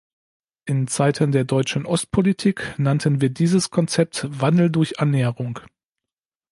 In Zeiten der deutschen Ostpolitik nannten wir dieses Konzept "Wandel durch Annäherung".